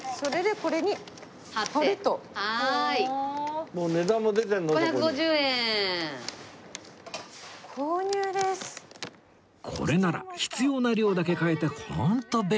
これなら必要な量だけ買えてホント便利ですねえ